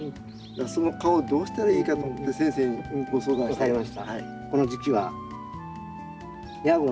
その蚊をどうしたらいいかと思って先生にご相談したいなと。